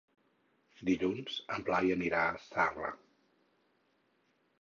Dilluns en Blai anirà a Zarra.